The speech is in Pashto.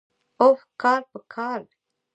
اوح کال په کال.